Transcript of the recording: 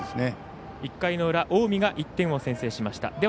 １回の裏、近江が１点を先制しました。